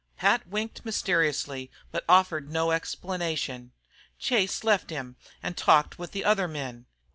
Pat winked mysteriously, but offered no explanation. Chase left him and talked with the other men.